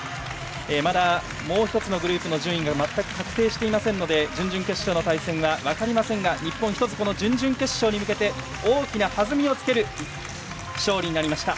まだもう１つのグループの順位が全く確定していないので準々決勝の対戦は分かりませんが日本、１つ準々決勝に向けて大きな弾みをつける勝利になりました。